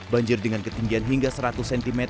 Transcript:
banjir dengan ketinggian hingga seratus cm